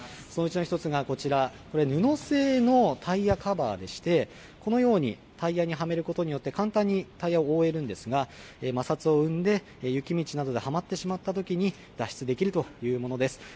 そのうちの一つがこちら、布製のタイヤカバーでして、このように、タイヤにはめることによって、簡単にタイヤを覆えるんですが、摩擦を生んで、雪道などではまってしまったときに、脱出できるというものです。